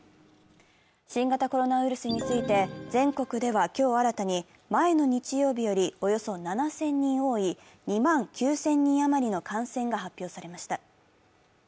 新型コロナウイルスについて、全国では今日新たに前の日曜日よりおよそ７０００人多い２万９０００人余りの感染が発表されました。